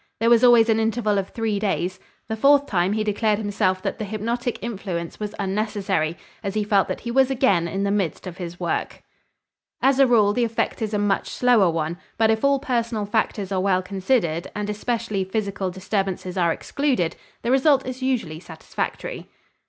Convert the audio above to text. There was always an interval of three days. The fourth time he declared himself that the hypnotic influence was unnecessary, as he felt that he was again in the midst of his work. As a rule the effect is a much slower one, but if all personal factors are well considered and especially physical disturbances are excluded, the result is usually satisfactory.